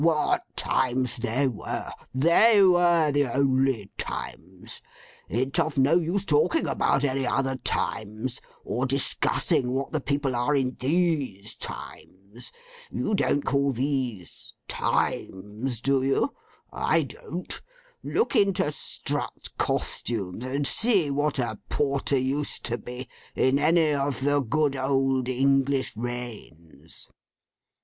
'What times they were! They were the only times. It's of no use talking about any other times, or discussing what the people are in these times. You don't call these, times, do you? I don't. Look into Strutt's Costumes, and see what a Porter used to be, in any of the good old English reigns.